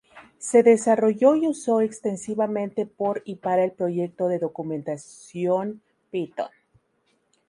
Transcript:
Se desarrolló y usó extensivamente por y para el Proyecto de documentación Python.